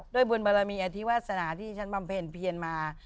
ด้วยบุญบารมีอธิวาสนาที่ฉันบำเพ็ญเพียรมา